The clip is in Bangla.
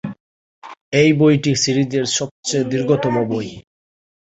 এই বইটি সিরিজের সবচেয়ে দীর্ঘতম বই।